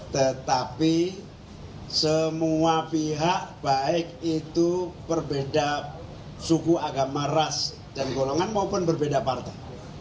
tetapi semua pihak baik itu berbeda suku agama ras dan golongan maupun berbeda partai